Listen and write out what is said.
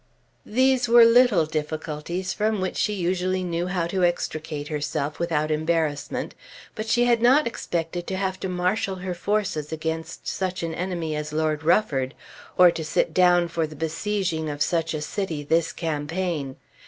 These were little difficulties from which she usually knew how to extricate herself without embarrassment; but she had not expected to have to marshal her forces against such an enemy as Lord Rufford, or to sit down for the besieging of such a city this campaign.